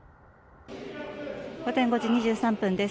午前５時２３分です。